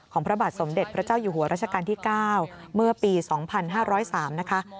พระบาทสมเด็จพระเจ้าอยู่หัวราชการที่๙เมื่อปี๒๕๐๓นะคะ